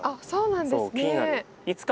そうなんですね。